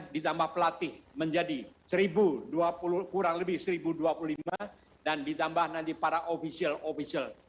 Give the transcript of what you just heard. ditambah pelatih menjadi kurang lebih seribu dua puluh lima dan ditambah nanti para ofisial ofisial